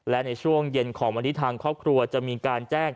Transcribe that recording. และในช่วงเย็นของวันนี้ทางครอบครัวจะมีการแจ้ง